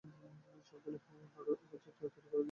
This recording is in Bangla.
সবগুলো নাড়ু একইভাবে তৈরি করে নিন।